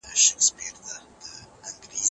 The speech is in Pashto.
هغه انسان چي شعور لري د ټولني په پرمختګ کي ونډه اخلي.